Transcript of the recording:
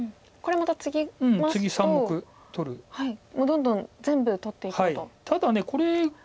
もうどんどん全部取っていこうと。